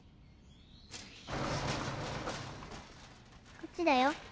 こっちだよ。